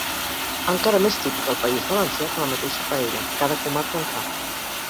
Encara més típic al País Valencià que la mateixa paella, cada comarca en fa.